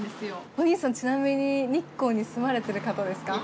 お兄さんちなみに日光に住まれてる方ですか？